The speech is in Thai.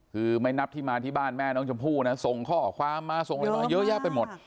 คือไม่นับที่มาที่บ้านแม่น้องชมพู่นะส่งข้อความมาส่งอะไรมาเยอะแยะไปหมด